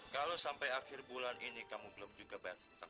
kalau sampai akhir bulan ini kamu belum juga